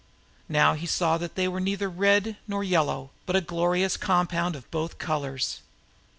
Now he saw that they were neither red nor yellow, but a glorious compound of both colors.